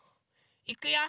いくよ。